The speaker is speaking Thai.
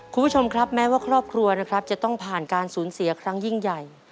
คุณผู้ชมครับแม้ว่าครอบครัวนะครับจะต้องผ่านการสูญเสียครั้งยิ่งใหญ่